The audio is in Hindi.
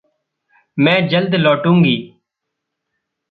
मैं जल्द लौटूंगी।